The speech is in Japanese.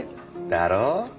だろ？